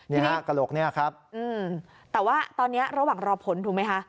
นี่ฮะกระโหลกเนี่ยครับแต่ว่าตอนนี้ระหว่างรอผลถูกไหมคะ